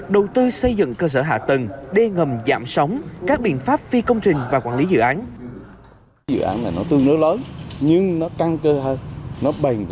đầu tư xây dựng cơ sở hạ tầng đê ngầm giảm sóng các biện pháp phi công trình và quản lý dự án